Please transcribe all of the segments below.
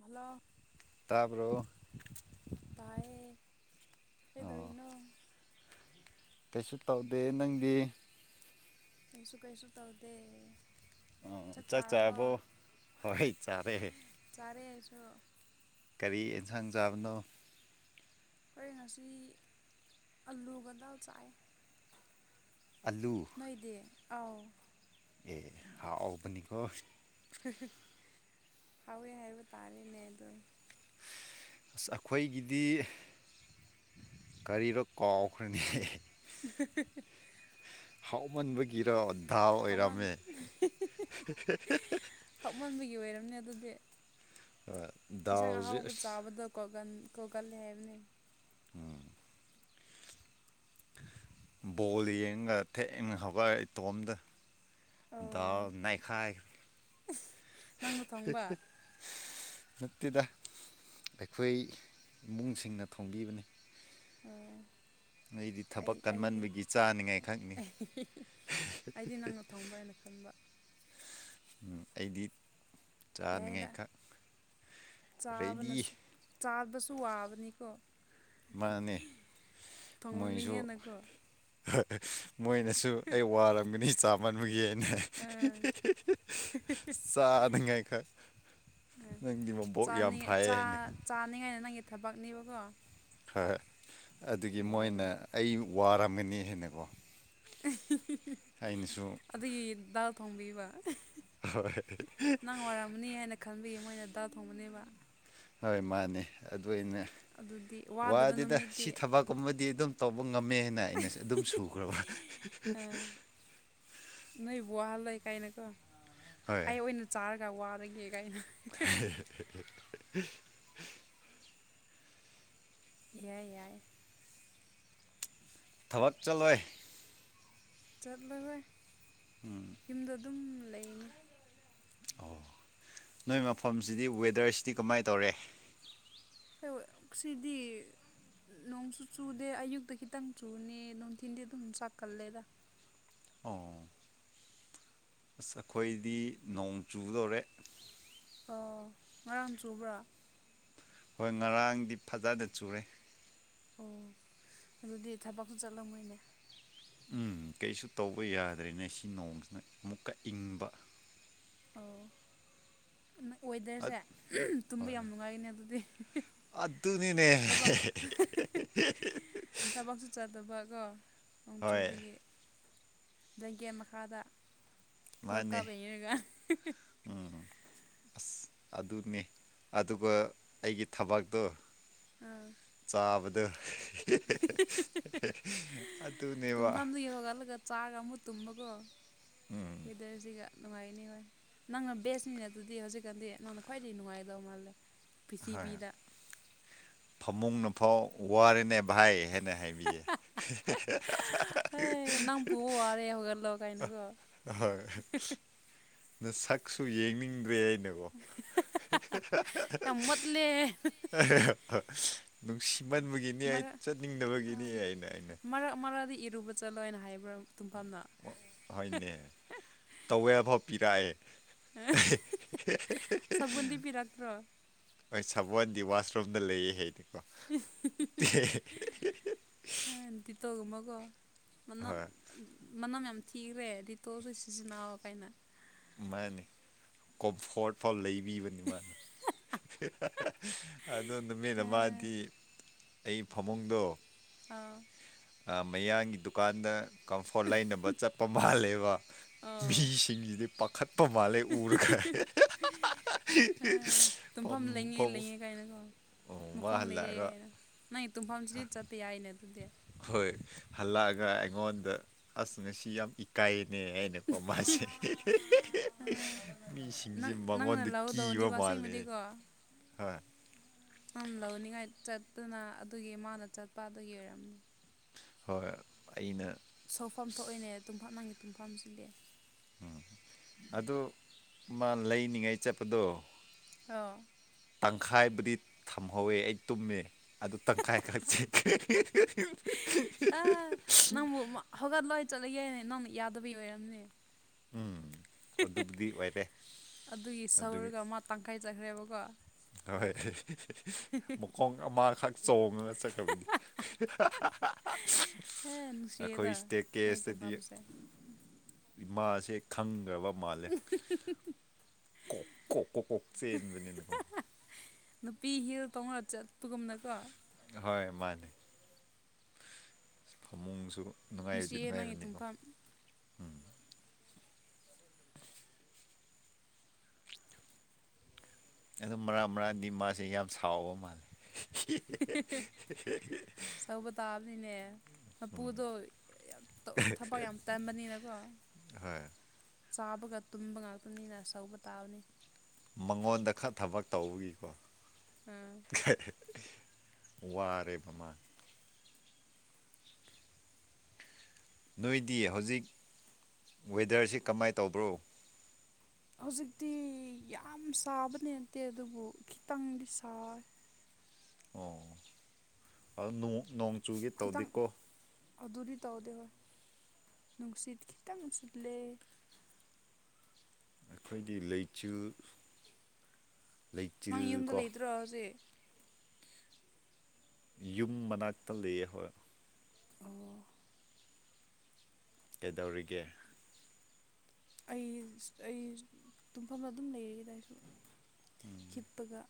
hello ꯇꯥꯕ꯭ꯔꯣ ꯇꯥꯏꯌꯦ ꯑꯣ ꯀꯩꯗꯣꯏꯅꯣ ꯀꯩꯁꯨ ꯇꯧꯗꯦ ꯅꯪꯗꯤ ꯑꯩꯁꯨ ꯀꯩꯁꯨ ꯇꯧꯗꯦ ꯑ ꯆꯥꯛ ꯆꯥꯔꯕꯣ ꯍꯣꯏ ꯆꯥꯔꯦ ꯆꯥꯔꯦ ꯑꯩꯁꯨ ꯀꯔꯤ ꯑꯦꯟꯁꯥꯡ ꯆꯥꯕꯅꯣ ꯈꯣꯏ ꯉꯁꯤ ꯑꯂꯨꯒ ꯗꯥꯜ ꯆꯥꯏ ꯑꯂꯨ ꯅꯣꯏꯗꯤ ꯑꯥꯎ ꯑꯦ ꯍꯥꯥꯎꯕꯅꯤꯀꯣ ꯍꯥꯎꯋꯦ ꯍꯥꯏꯕ ꯇꯥꯔꯦꯅꯦ ꯑꯗꯣ ꯑꯁ ꯑꯩꯈꯣꯏꯒꯤꯗꯤ ꯀꯔꯤꯔꯣ ꯀꯥꯎꯈ꯭ꯔꯦꯅꯦ [unintelligible] ꯍꯥꯎꯃꯟꯕꯒꯤꯔꯣ ꯗꯥꯎ ꯍꯥꯎꯃꯟ ꯑꯣꯏꯔꯝꯃꯦ ꯍꯥꯎꯃꯟꯕꯒꯤ ꯑꯣꯏꯔꯝꯅꯤ ꯑꯗꯨꯗꯤ ꯍꯣꯏ ꯎꯝ ꯏꯟꯁꯥꯡ ꯑꯍꯥꯎꯕ ꯆꯥꯕꯗ ꯀꯣꯒꯜ ꯀꯣꯒꯜꯂꯦ ꯍꯥꯏꯕꯅꯦ ꯎꯝ ꯕꯣꯜ ꯌꯦꯡꯉꯒ ꯊꯦꯡꯅ ꯍꯧꯒꯠꯑꯦ ꯏꯇꯣꯝꯇ ꯑꯣ ꯗꯔ ꯅꯩꯈꯥꯏ ꯅꯪꯅ ꯊꯣꯡꯕ ꯅꯠꯇꯦꯗ ꯑꯩꯈꯣꯏ ꯏꯃꯨꯡꯁꯤꯡꯅ ꯊꯣꯡꯕꯤꯕꯅꯤ ꯑꯣ ꯑꯩꯗꯤ ꯑꯩ ꯊꯕꯛ ꯑꯩꯗꯤ ꯀꯟꯃꯟꯕꯒꯤ ꯆꯥꯅꯤꯡꯉꯥꯏ ꯈꯛꯅꯤ [unintelligible] ꯑꯩꯗꯤ ꯅꯪꯅ ꯊꯣꯡꯕ꯭ꯔꯥ ꯍꯥꯏꯅ ꯈꯟꯕ ꯎꯝ ꯑꯩꯗꯤ ꯌꯥꯥꯏꯗ ꯆꯥꯅꯤꯡꯉꯥꯏ ꯈꯛ ꯔꯦꯗꯤ ꯆꯥꯕꯅꯁꯨ ꯆꯥꯕꯗꯁꯨ ꯋꯥꯕꯅꯤꯀꯣ ꯃꯥꯅꯦ ꯊꯣꯡꯕ ꯃꯤ ꯃꯣꯏꯁꯨ ꯍꯦꯟꯅꯀꯣ ꯃꯣꯏꯅꯁꯨ ꯑꯩ ꯋꯥꯔꯝꯒꯅꯤ ꯆꯥꯃꯟꯕꯒꯤ ꯑꯥ ꯆꯥꯅꯉꯥꯏꯈꯛ ꯎꯝ ꯅꯪꯗꯤ ꯃꯕꯣꯛ ꯌꯥꯝ ꯆꯥꯅꯤꯡꯉ ꯐꯩꯌꯦ ꯆꯥ ꯍꯥꯏꯅꯦꯀꯣ ꯆꯥꯅꯤꯡꯉꯥꯏꯅ ꯅꯪꯒꯤ ꯊꯕꯛꯅꯦꯕꯀꯣ ꯍꯣꯏ ꯑꯗꯨꯒꯤ ꯌꯥꯏ ꯃꯣꯏꯅ ꯌꯥꯏ ꯑꯩ ꯋꯥꯔꯝꯃꯅꯤ ꯍꯥꯏꯅꯀꯣ [unintelligible] ꯑꯩꯅꯁꯨ ꯑꯗꯨꯒꯤ ꯗꯥꯜ ꯊꯣꯡꯕꯤꯕ ꯍꯣꯏ ꯃꯨꯅꯤ ꯍꯥꯏꯅ ꯈꯟꯕꯤ ꯃꯣꯏꯅ ꯗꯥꯜ ꯊꯣꯡꯕꯅꯦꯕ ꯍꯣꯏ ꯃꯥꯅꯦ ꯑꯗꯨ ꯑꯩꯅ ꯑꯗꯨꯗꯤ ꯑꯣ ꯋꯥꯗꯦꯗ ꯁꯤ ꯊꯕꯛ ꯀꯨꯝꯕꯗꯤ ꯑꯗꯨꯝ ꯇꯧꯕ ꯉꯝꯃꯦꯅ ꯑꯩꯅꯁꯨ ꯑꯗꯨꯝ ꯁꯨꯈ꯭ꯔꯕ [unintelligible] ꯅꯣꯏ ꯋꯥꯍꯜꯂꯣꯢ ꯀꯥꯏꯅꯀꯣ ꯍꯣꯏ ꯑꯩ ꯑꯣꯏꯅ ꯆꯥꯔꯒ ꯋꯥꯔꯒꯦ ꯀꯥꯏꯅ [unintelligible] ꯌꯥꯏ ꯌꯥꯏ ꯊꯕꯛ ꯆꯠꯂꯣꯏ ꯆꯠꯂꯋꯣꯢ ꯎꯝ ꯌꯨꯝꯗ ꯑꯗꯨꯝ ꯂꯩꯅꯤ ꯑꯣ ꯅꯣꯏ ꯃꯐꯝꯁꯤꯗꯤ ꯋꯦꯗꯔꯁꯤꯗꯤ ꯀꯃꯥꯏ ꯇꯧꯔꯦ ꯑꯩꯈꯣꯢꯋꯦ ꯁꯤꯗꯤ ꯅꯣꯡꯁꯨ ꯆꯨꯗꯦ ꯑꯌꯨꯛꯇ ꯈꯤꯇꯪ ꯆꯨꯅꯤ ꯅꯨꯡꯊꯤꯟꯗꯤ ꯑꯗꯨꯝ ꯆꯥꯛꯀꯜꯂꯦꯗ ꯑꯣ ꯑꯁ ꯑꯈꯣꯏꯗꯤ ꯅꯣꯡ ꯆꯨꯗꯣꯔꯦ ꯑꯣ ꯉꯔꯥꯡ ꯆꯨꯕ꯭ꯔꯥ ꯍꯣꯏ ꯉꯔꯥꯡꯗꯤ ꯐꯖꯅ ꯆꯨꯔꯦ ꯑꯣ ꯑꯗꯨꯗꯤ ꯊꯕꯛꯁꯨ ꯆꯠꯂꯝꯃꯣꯏꯅꯦ ꯎꯝ ꯀꯩꯁꯨ ꯇꯧꯕ ꯌꯥꯗ꯭ꯔꯦꯅꯦ ꯁꯤ ꯅꯣꯡꯁꯤꯅ ꯑꯃꯨꯛꯀ ꯏꯪꯕ ꯑꯣ ꯑꯃ ꯑꯠ ꯋꯦꯗꯔꯁꯦ ꯇꯨꯝꯕ ꯍꯣꯏ ꯌꯥꯝ ꯅꯨꯡꯉꯥꯏꯒꯅꯤ ꯑꯗꯨꯗꯤ ꯑꯗꯨꯅꯤꯅꯦ ꯊꯕꯛ ꯊꯕꯛꯁꯨ ꯆꯠꯇꯕ ꯀꯣ ꯍꯣꯏ ꯅꯣꯡꯆꯨꯕꯒꯤ ꯕ꯭ꯂꯦꯡꯀꯦꯠ ꯃꯈꯥꯗ ꯍꯣꯔ ꯀꯞ ꯌꯦꯡꯔꯒ ꯎꯝ ꯑꯁ ꯑꯗꯨꯅꯦ ꯑꯗꯨꯒ ꯑꯩꯒꯤ ꯊꯕꯛꯇꯣ__ ꯑꯥ ꯆꯥꯕꯗꯣ ꯑꯗꯨꯅꯦꯕ ꯌꯣꯒꯍꯜꯒ ꯆꯥꯒ ꯑꯃꯨꯛ ꯇꯨꯝꯕꯒꯣ ꯎꯝ ꯋꯦꯗꯔꯁꯤꯒ ꯅꯨꯡꯉꯥꯏꯅꯦꯍꯣꯏ ꯅꯪꯅ ꯕꯦꯁꯅꯤꯅꯦ ꯑꯗꯨꯗꯤ ꯍꯧꯖꯤꯛꯀꯥꯟꯗꯤ ꯅꯪꯅ ꯈ꯭ꯋꯥꯏꯗꯒꯤ ꯅꯨꯡꯉꯥꯏꯒꯗꯕ ꯃꯥꯜꯂꯦ ꯍꯣꯏ ꯄ꯭ꯔꯤꯊꯤꯕꯤꯗ ꯐꯃꯨꯡꯅꯐꯥꯎ ꯋꯥꯔꯦꯅꯦꯝ ꯚꯥꯏ ꯍꯦꯟꯅ ꯍꯥꯏ ꯕꯤꯌꯦ ꯑꯦ ꯅꯪ ꯄꯨꯕ ꯋꯥꯔꯦ ꯍꯧꯒꯠꯂꯣ ꯀꯥꯏꯅꯀꯣ ꯑꯥ ꯍꯣꯏ ꯅꯁꯛꯁꯨ ꯌꯦꯡꯅꯤꯡꯗ꯭ꯔꯦ ꯅꯒꯣ ꯌꯥꯝ ꯃꯣꯠꯂꯦ ꯅꯨꯡꯁꯤꯃꯟꯕꯒꯤꯅꯤ ꯑꯩ ꯃꯔꯛ ꯆꯠꯅꯤꯡꯗꯕꯒꯤꯅꯤ ꯑꯥ ꯑꯩꯅ ꯑꯩꯅ ꯃꯔꯛ ꯃꯔꯥꯗꯤ ꯏꯔꯨꯕ__ ꯆꯠꯂꯣ ꯍꯥꯏꯅ ꯍꯥꯏꯕ꯭ꯔꯥ ꯇꯨꯡꯐꯝꯅ ꯍꯣꯏꯅꯦ ꯇꯧꯋꯦꯜꯐꯥꯎ ꯄꯤꯔꯥꯛꯑꯦ ꯁꯥꯕꯨꯟꯗꯤ ꯄꯤꯔꯛꯇ꯭ꯔꯣ ꯍꯣꯏ ꯁꯕꯣꯟꯗꯤ ꯋꯥꯁꯔꯨꯝꯗ ꯂꯩꯌꯦ ꯍꯥꯏꯗꯤ [unintelligible] ꯗꯤꯇꯣꯜꯒꯨꯝꯕꯀꯣ [unintelligible] ꯍꯣꯏ ꯃꯅꯝ ꯌꯥꯝ ꯊꯤꯈ꯭ꯔꯦ ꯗꯤꯇꯣꯜꯁꯨ ꯁꯤꯖꯤꯟꯅꯑꯣ ꯀꯥꯏꯅ ꯃꯥꯅꯤ ꯀꯝꯐꯣꯔꯠ ꯐꯥꯎ ꯂꯩꯕꯤꯕꯅꯤ ꯃꯥꯅꯤ [unintelligible] ꯑꯗꯨ ꯅꯨꯃꯤꯠ ꯑꯥ ꯑꯃꯥꯗꯤ ꯑꯩ ꯐꯃꯨꯡꯗꯣ ꯑꯥ [unintelligible] ꯃꯌꯥꯡꯒꯤ ꯗꯨꯀꯥꯟꯗ ꯀꯝꯐꯣꯔꯠ ꯂꯩꯅꯕ ꯆꯠꯄ ꯃꯥꯜꯂꯦꯕ ꯃꯤꯁꯤꯡꯖꯤꯗꯤ ꯄꯥꯈꯠ ꯄ ꯃꯥꯜꯂꯦ ꯎꯔꯒ [unintelligible] ꯑꯥ ꯄꯝ ꯇꯨꯝꯐꯝ ꯂꯩꯉꯦ ꯂꯩꯉꯦ ꯀꯥꯏꯅꯀꯣ [unintelligible] ꯃꯈꯣꯡ ꯂꯩꯌꯦꯅ ꯅꯪꯒꯤ ꯇꯨꯡꯐꯝꯁꯤꯗꯤ ꯆꯠꯄ ꯌꯥꯏꯅꯦ ꯑꯗꯨꯗꯤ ꯍꯣꯏ ꯍꯜꯂꯛꯑꯒ ꯑꯩꯉꯣꯟꯗ ꯑꯁ ꯉꯁꯤ ꯌꯥꯝ ꯏꯀꯥꯏꯌꯦꯅꯦ ꯍꯥꯏꯩꯅ [unintelligible] ꯃꯥꯁꯦ ꯃꯤꯁꯤꯡꯁꯦ ꯅꯪ ꯅꯪꯅ ꯃꯉꯣꯟꯗ ꯀꯤꯕ ꯂꯧꯒꯗꯧꯅꯤꯕ ꯃꯥꯜꯂꯦ ꯑꯁꯦꯡꯕꯗꯤꯀꯣ ꯍꯣꯏ [unintelligible] ꯂꯧꯅꯤꯡꯉꯥꯏ ꯆꯠꯇꯅ ꯑꯗꯨꯒꯤ ꯃꯥꯅ ꯆꯠꯄ ꯑꯗꯨꯒꯤ ꯑꯣꯏꯔꯝꯃꯤ ꯍꯣꯏ ꯑꯩꯅ ꯁꯥꯎꯐꯝ ꯊꯣꯛꯑꯦꯅꯦ ꯇꯨꯝꯐꯝ ꯅꯪꯉꯤ ꯇꯨꯡꯐꯝꯁꯤꯗꯤ ꯑꯗꯨ ꯃꯥ ꯂꯩꯅꯤꯉꯥꯏ ꯆꯠꯄꯗꯣ [unintelligible] ꯇꯪꯈꯥꯕꯨꯗꯤ ꯊꯝꯍꯧꯋꯦ ꯑꯩ ꯇꯨꯝꯃꯦ ꯑꯗꯨ ꯇꯪꯈꯥꯏ ꯈꯛ [unintelligible] ꯑꯥ ꯅꯪꯕꯨ ꯃꯥ ꯍꯧꯒꯠꯂꯣ ꯆꯠꯂꯒꯦꯅꯦ ꯅꯪꯅ ꯌꯥꯗꯕꯩ ꯑꯣꯏꯔꯝꯅꯤ ꯎꯝ [unintelligible] ꯑꯗꯨꯕꯨꯗꯤ ꯑꯣꯏꯔꯦ ꯑꯗꯨꯒꯤ ꯁꯧꯔꯒ ꯃꯥ ꯇꯪꯈꯥꯏ ꯆꯠꯈ꯭ꯔꯦꯕꯀꯣ ꯍꯣꯏ [unintelligible] ꯃꯈꯣꯡ ꯑꯃꯥꯈꯛ ꯆꯣꯡꯉꯒ ꯆꯠꯈ꯭ꯔꯕꯅꯤ ꯍꯦ [unintelligible] ꯑꯈꯣꯏ ꯅꯨꯡꯁꯤꯌꯦꯗ ꯏꯁꯇ꯭ꯌ ꯅꯪꯒꯤ ꯀꯦꯁꯇꯗꯤ ꯇꯨꯝꯐꯝꯁꯦ ꯃꯥꯁꯦ ꯈꯪꯒ꯭ꯔꯕ ꯃꯥꯜꯂꯦ [unintelligible] ꯀꯣꯛ ꯀꯣꯛ ꯀꯣꯛ ꯀꯣꯛ ꯆꯦꯟꯕꯅꯤꯅꯀꯣ ꯅꯨꯄꯤ ꯍꯤꯜ ꯇꯣꯡꯂꯒ ꯆꯠꯄꯒꯨꯝꯅꯀꯣ ꯍꯣꯏ ꯃꯥꯅꯤ ꯐꯃꯨꯡꯁꯨ ꯅꯨꯡꯉꯥꯏꯕꯗꯤ ꯅꯨꯡꯁꯤꯌꯦ ꯅꯪꯒꯤ ꯅꯨꯡꯉꯥꯏꯕꯅꯤꯀꯣ ꯇꯨꯝꯐꯝ ꯑꯗꯨ ꯃꯔꯥꯛ ꯃꯔꯥꯛꯗꯤ ꯃꯥꯁꯦ ꯌꯥꯝ ꯁꯥꯎꯕ ꯃꯥꯜꯂꯦ [unintelligible] [unintelligible] ꯁꯧꯕ ꯇꯥꯕꯅꯤꯅꯦ ꯎꯝ ꯃꯄꯨꯗꯣ [unintelligible] ꯊꯕꯛ ꯌꯥꯝ ꯇꯟꯕꯅꯤꯅꯀꯣ ꯍꯣꯏ ꯆꯥꯕꯒ ꯇꯨꯝꯕ ꯉꯥꯛꯇꯅꯤꯅ ꯁꯧꯕ ꯇꯥꯕꯅꯤ ꯃꯉꯣꯟꯗ ꯈꯛ ꯊꯕꯛ ꯇꯧꯕꯒꯤꯀꯣ ꯎꯝ [unintelligible] ꯋꯥꯔꯦꯕꯃꯥ ꯅꯣꯏꯗꯤ ꯍꯧꯖꯤꯛ ꯋꯦꯗꯔꯁꯤ ꯀꯃꯥꯏ ꯇꯧꯕ꯭ꯔꯣ ꯍꯧꯖꯤꯛꯇꯤ ꯌꯥꯝ ꯁꯥꯕꯅꯦ ꯅꯠꯇꯦ ꯑꯗꯨꯕꯨ ꯈꯤꯇꯪꯗꯤ ꯁꯥꯢ ꯑꯣ ꯑꯗꯨ ꯅꯣꯡ ꯅꯣꯡ ꯆꯨꯒꯦ ꯈꯤꯇꯪ ꯇꯧꯗꯦꯀꯣ ꯑꯗꯨꯗꯤ ꯇꯧꯗꯦ ꯍꯣꯏ ꯅꯨꯡꯁꯤꯠ ꯈꯤꯇꯪ ꯁꯤꯠꯂꯦ ꯑꯩꯈꯣꯏꯗꯤ ꯂꯩꯆꯤꯜ ꯅꯪ ꯂꯩꯆꯤꯜ ꯌꯨꯝꯗ ꯀꯣ ꯂꯩꯗ꯭ꯔꯣ ꯍꯧꯖꯤꯛ ꯌꯨꯝ ꯃꯅꯥꯛꯇ ꯂꯩꯌꯦ ꯍꯣꯢ ꯑꯣ ꯀꯩꯗꯧꯔꯤꯒꯦ ꯑꯩ ꯑꯩ ꯇꯨꯝꯐꯝꯗ ꯑꯗꯨꯝ ꯂꯩꯔꯦꯗ ꯑꯩꯁꯨ [inaudible] ꯍꯤꯞꯄꯒ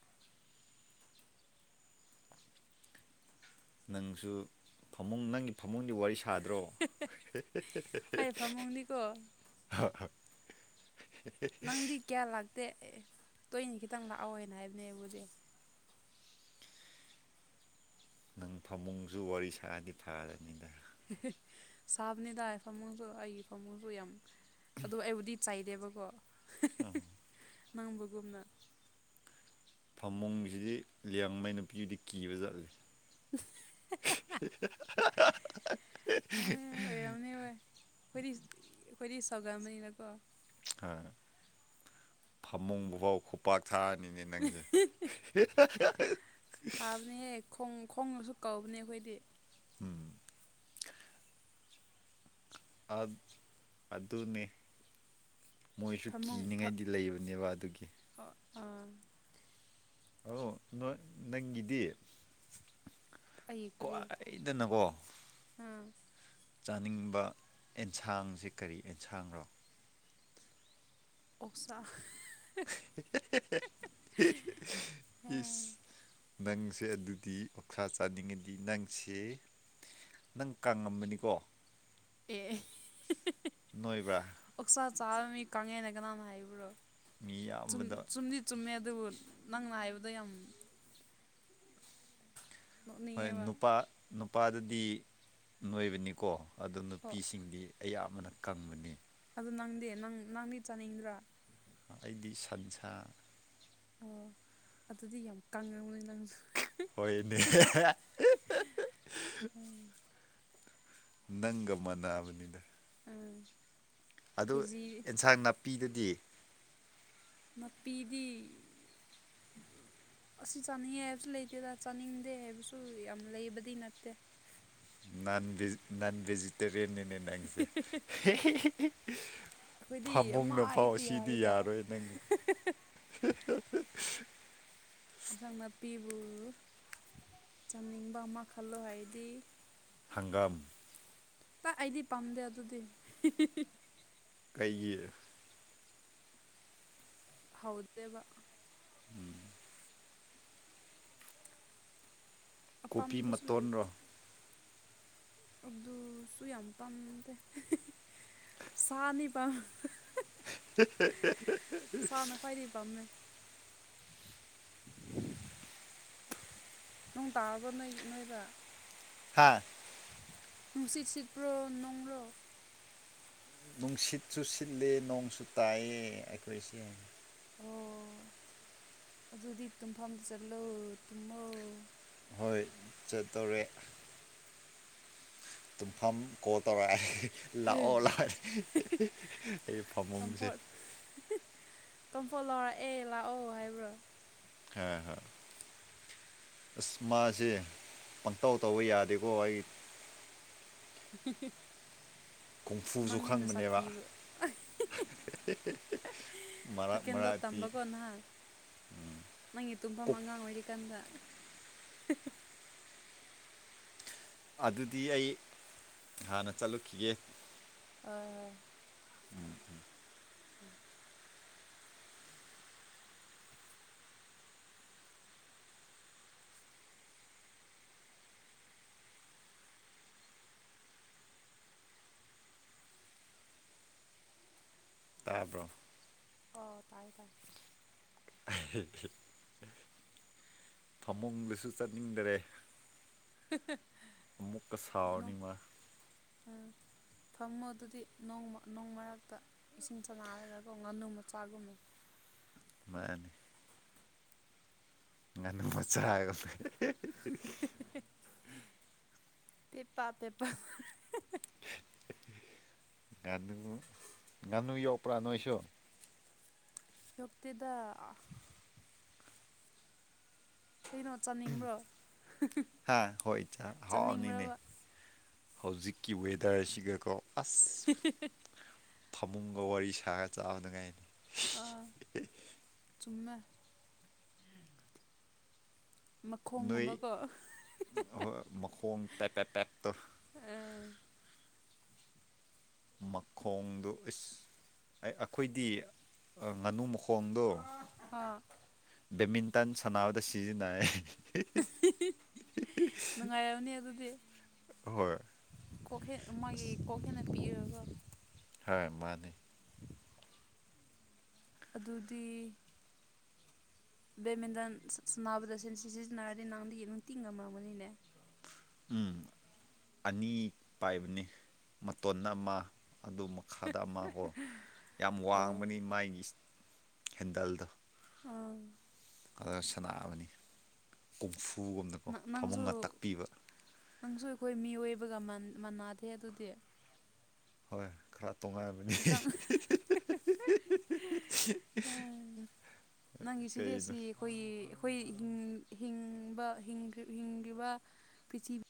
ꯅꯪꯁꯨ ꯐꯃꯨꯡ ꯅꯪꯒꯤ ꯐꯃꯨꯡꯒꯤ ꯋꯥꯔꯤ ꯁꯥꯗ꯭ꯔꯣ [unintelligible] ꯑꯩ ꯐꯃꯨꯡꯗꯤꯀꯣ ꯍꯣꯏ ꯍꯣꯏ ꯅꯪꯗꯤ ꯀꯌꯥ ꯂꯥꯛꯇꯦ ꯇꯣꯏꯅꯤ ꯈꯤꯇꯪ ꯂꯥꯛꯑꯣ ꯍꯥꯏꯅ ꯍꯥꯏꯕꯅꯦ ꯑꯩꯕꯨꯗꯤ ꯅꯪ ꯐꯃꯨꯡꯁꯨ ꯋꯥꯔꯤ ꯁꯥꯔꯗꯤ ꯐꯥꯔꯅꯤꯗ ꯁꯥꯕꯅꯤꯗ ꯑꯩ ꯐꯃꯨꯡꯁꯨ ꯑꯩꯒꯤ ꯐꯃꯨꯡꯁꯨ ꯌꯥꯝ ꯑꯗꯣ ꯑꯩꯕꯨꯗꯤ ꯆꯩꯗꯦꯕꯀꯣ ꯑꯥ ꯅꯪꯕꯒꯨꯝꯅ ꯐꯃꯨꯡꯁꯤꯗꯤ ꯂꯤꯌꯥꯡꯃꯩ ꯅꯨꯄꯤꯗꯤ ꯀꯤꯕꯖꯥꯠꯅꯤ [unintelligible] ꯑꯦ ꯑꯣꯏꯔꯝꯅꯤ ꯍꯣꯏ ꯑꯩꯈꯣꯏꯗꯤ ꯑꯩꯈꯣꯏꯗꯤ ꯁꯧꯒꯟꯕꯅꯤꯅꯀꯣ ꯐꯝꯃꯨꯡꯕꯧ ꯄꯥꯔ ꯊꯥꯔꯅꯤꯅꯦ ꯅꯪꯁꯦ [unintelligible] ꯀꯥꯕꯅꯦꯍꯦ ꯍꯣꯡ ꯈꯣꯡꯅꯁꯨ ꯀꯧꯕꯅꯦ ꯑꯩꯈꯣꯏꯗꯤ ꯎꯝ ꯑꯥ ꯑꯗꯨꯅꯦ ꯃꯣꯏꯁꯨ ꯀꯤꯅꯤꯡꯉꯥꯏꯗꯤ ꯂꯩꯕꯅꯦꯕ ꯑꯗꯨꯒꯤ ꯑ ꯑꯥ ꯑꯣ ꯅꯣꯢ ꯅꯪꯒꯤꯗꯤ ꯑꯩꯒꯤ ꯀꯔꯤ ꯈ꯭ꯋꯥꯏꯗꯅꯀꯣ ꯑꯥ ꯆꯥꯅꯤꯡꯕ ꯑꯦꯟꯁꯥꯡꯁꯤ ꯀꯔꯤ ꯑꯦꯟꯁꯥꯡꯔꯣ ꯑꯣꯛ ꯁꯥꯥ [unintelligible] ꯏꯁ ꯅꯪꯁꯦ ꯑꯗꯨꯗꯤ ꯑꯣꯛꯁꯥ ꯆꯥꯅꯤꯡꯉꯗꯤ ꯅꯪꯁꯦ ꯅꯪ ꯀꯪꯉꯝꯒꯅꯤꯀꯣ ꯑꯦ [unintelligible] ꯅꯣꯏꯕ꯭ꯔꯥ ꯑꯣꯛꯁꯥ ꯆꯥꯕ ꯃꯤ ꯀꯥꯡꯉꯦꯅ ꯀꯅꯥꯅꯥ ꯍꯥꯏꯕ꯭ꯔꯣ ꯃꯤ ꯆꯨꯝ ꯑꯌꯥꯝꯕꯗ ꯆꯨꯝꯗꯤ ꯆꯨꯝꯃꯦ ꯑꯗꯨꯕꯨ ꯅꯪꯅ ꯍꯥꯏꯕꯗꯨ ꯌꯥꯝ ꯍꯣꯏ ꯅꯣꯛꯅꯤꯡꯉꯦꯕ ꯅꯨꯄꯥ ꯅꯨꯄꯥꯗꯗꯤ ꯅꯣꯏꯕꯅꯤꯀꯣ ꯑꯗꯣ ꯑꯣ ꯅꯨꯄꯤꯁꯤꯡꯗꯤ ꯑꯌꯥꯝꯕꯅ ꯀꯪꯕꯅꯤ ꯑꯗꯨ ꯅꯪꯗꯤ ꯅꯪ ꯅꯪꯗꯤ ꯆꯥꯅꯤꯡꯗ꯭ꯔꯥ ꯑꯩꯗꯤ ꯁꯟꯁꯥ ꯑꯣ ꯑꯗꯨꯗꯤ ꯌꯥꯝ ꯀꯪꯉꯝꯃꯣꯢ ꯅꯪꯁꯨ ꯍꯣꯏꯅꯦ ꯎꯝ ꯅꯪꯒ ꯃꯥꯟꯅꯕꯅꯤꯗ ꯑꯗꯨ ꯀꯦꯖꯤ ꯑꯦꯟꯁꯥꯡ ꯅꯥꯄꯤꯗꯗꯤ ꯅꯥꯄꯤꯗꯤ ꯑꯁꯤ ꯆꯥꯅꯤꯡꯉꯦ ꯍꯥꯏꯕꯁꯨ ꯂꯩꯇꯦꯗ ꯆꯥꯅꯤꯡꯗꯦ ꯍꯥꯏꯕꯁꯨ ꯌꯥꯝ ꯂꯩꯕꯗꯤ ꯅꯠꯇꯦ ꯅꯟ ꯅꯟ ꯚꯦꯖꯤꯇꯦꯔꯤꯌꯟꯅꯤꯅꯦ ꯅꯪꯁꯦ ꯑꯩꯈꯣꯏꯗꯤ ꯑꯃ ꯐꯃꯨꯡꯅ ꯐꯥꯎ ꯏꯗꯤ ꯁꯤꯗꯤ ꯌꯥꯏꯗ ꯌꯥꯔꯣꯏ ꯅꯪ ꯏꯟꯁꯥꯡ ꯅꯥꯄꯤꯕꯨ ꯆꯥꯅꯤꯡꯕ ꯑꯃ ꯈꯜꯂꯣ ꯍꯥꯏꯔꯗꯤ ꯍꯪꯒꯥꯝ ꯇꯥ ꯑꯩꯗꯤ ꯄꯥꯝꯗꯦ ꯑꯗꯨꯗꯤ ꯀꯩꯒꯤ ꯍꯥꯎꯇꯦꯕ ꯎꯝ ꯀꯣꯕꯤ ꯑꯄꯥꯝꯕꯁꯨ ꯃꯇꯣꯟꯔꯣ ꯂꯩꯇꯦ ꯑꯗꯨꯁꯨ ꯌꯥꯝ ꯄꯥꯝꯗꯦ ꯁꯥꯅꯤ ꯄꯥꯝ [inaudible] ꯑꯈꯣꯏꯗꯤ ꯄꯝꯃꯦ [inaudible] ꯅꯣꯡ ꯇꯥꯔꯕ꯭ꯔꯣ ꯅꯣꯏꯒꯤ ꯅꯣꯏꯗ ꯍꯥꯥ ꯅꯨꯡꯁꯤꯠ ꯁꯤꯠꯄ꯭ꯔꯣ ꯅꯣꯡꯔꯣ ꯅꯨꯡꯁꯤꯠꯁꯨ ꯁꯤꯠꯂꯦ ꯅꯣꯡꯁꯨ ꯇꯥꯏꯑꯦ ꯑꯩꯈꯣꯏꯁꯦ ꯑꯣ ꯑꯗꯨꯗꯤ ꯇꯨꯝꯐꯝꯗ ꯆꯠꯂꯣ ꯇꯨꯝꯃꯣ ꯍꯣꯏ ꯆꯠꯇꯧꯔꯦ ꯇꯨꯝꯐꯝ ꯀꯣꯜ ꯇꯧꯔꯛꯌꯦ ꯂꯥꯛꯑꯣ ꯂꯥꯛꯑꯦ ꯑꯩ ꯐꯃꯨꯡꯁꯦ ꯀꯝꯄꯣꯔ ꯂꯧꯔꯛꯑꯦ ꯂꯥꯛꯑꯣ ꯍꯥꯏꯕ꯭ꯔꯣ ꯍꯣꯏ ꯍꯣꯏ ꯑꯁ ꯃꯥꯁꯦ ꯄꯪꯇꯧ ꯇꯧꯕ ꯌꯥꯗꯦꯀꯣ ꯑꯩ ꯀꯨꯡꯐꯨꯁꯨ ꯃꯪ ꯍꯦꯟꯅ ꯈꯪꯕꯅꯦꯕ ꯁꯥꯊꯤꯑꯦꯕ ꯃꯔꯛ ꯁꯥꯏꯀꯜꯗꯣ ꯃꯔꯛꯇꯤ ꯇꯝꯕꯀꯣ ꯅꯍꯥꯟ ꯅꯪꯒꯤ ꯇꯨꯝꯐꯝ ꯀꯣꯛ ꯑꯉꯥꯡ ꯑꯣꯏꯔꯤꯀꯥꯟꯗ ꯑꯗꯨꯗꯤ ꯑꯩ ꯍꯥꯟꯅ ꯆꯠꯂꯨꯈꯤꯒꯦ ꯍꯣꯏ ꯍꯣꯏ ꯎꯝ ꯎꯝ ꯑꯥ ꯇꯥꯕ꯭ꯔꯣ ꯑꯣ ꯇꯥꯏ ꯇꯥꯏ [inaudible] ꯐꯃꯨꯡꯗꯁꯨ ꯆꯠꯅꯤꯡꯗ꯭ꯔꯦ [inaudible] ꯑꯃꯨꯛꯀ ꯁꯥꯎꯔꯅꯤ ꯃꯥ ꯎꯝ ꯐꯝꯃꯣ ꯑꯗꯨꯗꯤ ꯅꯣꯡ ꯃꯔꯛꯇ ꯏꯁꯤꯡ ꯁꯥꯟꯅꯔꯒꯀꯣ ꯉꯥꯅꯨ ꯃꯆꯥꯒꯨꯝꯅ ꯃꯥꯅꯤ ꯉꯥꯅꯨ ꯃꯆꯥꯒꯦ ꯄꯦ ꯄꯥ ꯄꯦ ꯄꯥ ꯉꯥꯅꯨ ꯉꯥꯅꯨ ꯌꯣꯛꯄ꯭ꯔ ꯅꯣꯏꯁꯨ ꯌꯣꯛꯇꯦꯗ ꯀꯩꯅꯣ ꯆꯥꯅꯤꯡꯕ꯭ꯔꯣ ꯍꯥ ꯍꯣꯏ ꯆꯥ ꯍꯥꯎꯅꯤꯅꯦ ꯆꯥꯅꯤꯡꯕ꯭ꯥꯔꯕ ꯍꯧꯖꯤꯛꯀꯤ ꯋꯦꯗꯔꯁꯤꯒꯀꯣ ꯑꯁ ꯐꯃꯨꯡꯒ ꯋꯥꯔꯤ ꯁꯥꯔ ꯆꯥꯕ ꯅꯨꯉꯥꯏꯅꯤ ꯑꯥ ꯆꯨꯝꯃꯦ ꯅꯣꯏ ꯃꯈꯣꯡꯒꯨꯝꯕꯀꯣ ꯃꯈꯣꯡ ꯄꯦꯞ ꯄꯦꯞ ꯄꯦꯞꯇꯣ ꯑꯥ ꯃꯈꯣꯡꯗꯨ ꯏꯁ ꯑꯦ ꯑꯩꯈꯣꯏꯗꯤ ꯑ ꯉꯥꯅꯨ ꯃꯈꯣꯡ ꯈꯣꯡꯗꯣ ꯑꯥ ꯕꯦꯠꯃꯤꯟꯇꯟ ꯁꯥꯟꯅꯕꯗ ꯁꯤꯖꯤꯟꯅꯩꯌꯦ ꯅꯨꯡꯉꯥꯏꯔꯝꯅꯤ ꯑꯗꯨꯗꯤ ꯑꯍꯣꯏ ꯀꯣꯛ ꯍꯦ ꯃꯥꯒꯤ ꯀꯣꯛ ꯍꯦꯅ ꯄꯤꯔꯒꯀꯣ ꯍꯣꯏ ꯃꯥꯅꯦ ꯑꯗꯨꯗꯤ ꯕꯦꯗꯃꯤꯟꯇꯟ ꯁꯥꯟꯅꯕꯗ ꯁꯤꯟ ꯁꯤꯖꯤꯟꯅꯔꯗꯤ ꯅꯪꯗꯤ ꯅꯨꯡꯇꯤꯡ ꯉꯝꯃꯝꯒꯅꯤꯅꯦ ꯎꯝ ꯑꯅꯤ ꯄꯥꯏꯕꯅꯤ ꯃꯇꯣꯟ ꯑꯃ ꯑꯗꯨ ꯃꯈꯥꯗ ꯑꯃꯀꯣ ꯌꯥꯝ ꯑꯣ ꯋꯥꯡꯕꯅꯤ ꯃꯥꯒꯤ ꯍꯦꯟꯗꯜꯗꯣ ꯑꯪ ꯑꯗꯨꯒ ꯁꯅꯥꯕꯅꯤ ꯀꯨꯝꯐꯨꯒꯨꯝꯅꯀꯣ ꯅꯪ ꯅꯪꯁꯨ ꯐꯃꯨꯡꯉ ꯇꯛꯄꯤꯕ ꯅꯪꯁꯨ ꯑꯩꯈꯣꯏ ꯃꯤꯑꯣꯏꯕꯒ ꯃꯥꯟ ꯃꯥꯟꯅꯗꯦ ꯑꯗꯨꯗꯤ ꯍꯣꯏ ꯈꯔ ꯇꯣꯉꯥꯏ ꯈꯤꯇꯪ [unintelligible] ꯎꯝ ꯅꯪꯒꯤ ꯀꯩꯅꯣ ꯁꯤꯗꯦꯁꯤ ꯑꯩꯈꯣꯏꯒꯤ ꯑꯩꯈꯣꯏ ꯍꯤꯡ ꯍꯤꯡꯕ ꯍꯤꯡꯈ꯭ꯔꯤ ꯍꯤꯡꯒꯤꯕ ꯄꯤꯆꯤꯞ